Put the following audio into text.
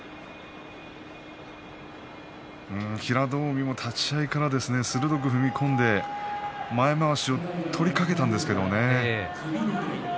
平戸海も立ち合いから鋭く踏み込んで前まわしを取りかけたんですけれどね。